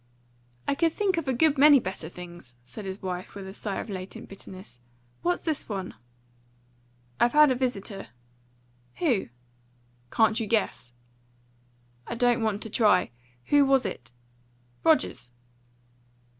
"I could think of a good many better things," said his wife, with a sigh of latent bitterness. "What's this one?" "I've had a visitor." "Who?" "Can't you guess?" "I don't want to try. Who was it?" "Rogers."